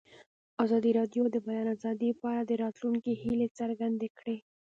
ازادي راډیو د د بیان آزادي په اړه د راتلونکي هیلې څرګندې کړې.